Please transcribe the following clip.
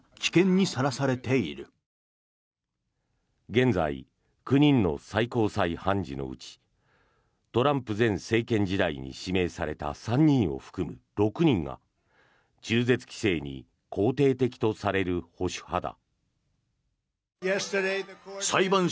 現在、９人の最高裁判事のうちトランプ前政権時代に指名された３人を含む６人が中絶規制に肯定的とされる保守派だ。